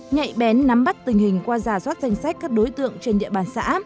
nhạy bén nắm bắt tình hình qua giả soát danh sách các đối tượng trên địa bàn xã